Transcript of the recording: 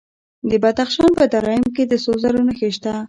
د بدخشان په درایم کې د سرو زرو نښې شته.